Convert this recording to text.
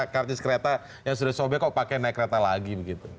atau karcis kereta yang sudah disobek kok pakai naik kereta lagi